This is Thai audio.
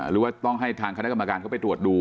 หรือว่าต้องให้ทางคณะกรรมการเข้าไปตรวจดู